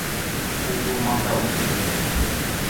Ул урманда үҫте.